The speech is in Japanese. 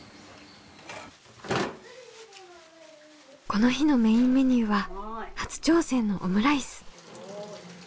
この日のメインメニューは初挑戦のオムライス。